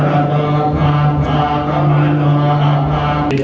สุดท้ายเท่าไหร่สุดท้ายเท่าไหร่